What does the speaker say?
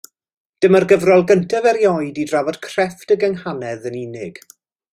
Dyma'r gyfrol gyntaf erioed i drafod crefft y gynghanedd yn unig.